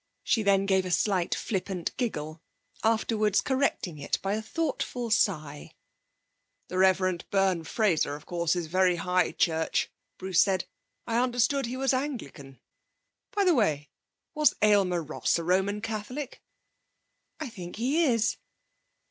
She then gave a slight flippant giggle, afterwards correcting it by a thoughtful sigh. 'The Rev. Byrne Fraser, of course, is very High Church,' Bruce said. 'I understood he was Anglican. By the way, was Aylmer Ross a Roman Catholic?' 'I think he is.'